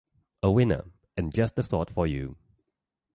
A winner, and just the sort for you.